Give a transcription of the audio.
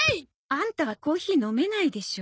あんたはコーヒー飲めないでしょ。